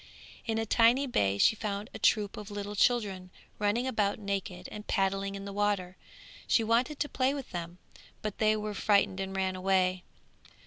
In a tiny bay she found a troop of little children running about naked and paddling in the water; she wanted to play with them, but they were frightened and ran away.